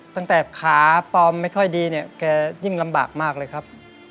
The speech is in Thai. ตั้งแต่ขาปลอมไม่ค่อยดีเนี่ยแกยิ่งลำบากมากเลยครับ